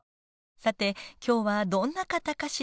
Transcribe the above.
さて今日はどんな方かしら。